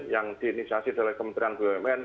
yang diinisiasi oleh kementerian bumn